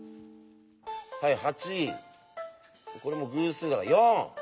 はい８これも偶数だから４。